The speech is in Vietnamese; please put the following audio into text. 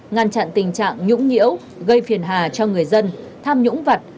ngăn chặn tình trạng nhũng nhiễu gây phiền hà cho người dân tham nhũng vật